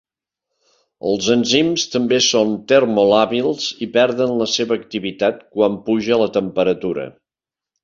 Els enzims també són termolàbils i perden la seva activitat quan puja la temperatura.